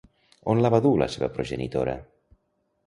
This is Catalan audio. On la va dur la seva progenitora?